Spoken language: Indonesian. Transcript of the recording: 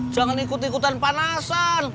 jangan ikut ikutan panasan